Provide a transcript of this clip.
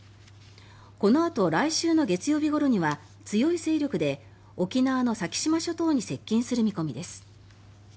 このあと来週の月曜日ごろには強い勢力で沖縄の先島諸島に接近する見込みです。